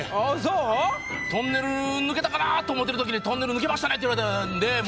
トンネル抜けたかなと思ってるときに「トンネル抜けましたね」って言われたんで。